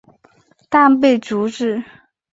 但被阻止。